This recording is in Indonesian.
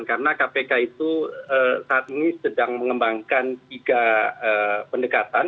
karena kpk itu saat ini sedang mengembangkan tiga pendekatan